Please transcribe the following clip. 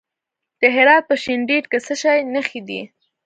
د هرات په شینډنډ کې د څه شي نښې دي؟